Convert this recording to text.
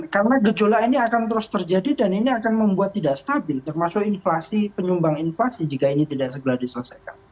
karena gejolak ini akan terus terjadi dan ini akan membuat tidak stabil termasuk penyumbang inflasi jika ini tidak segera diselesaikan